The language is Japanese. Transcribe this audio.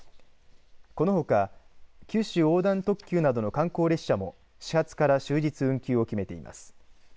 このほか九州横断特急などの観光列車も始発から終日運休を決めています。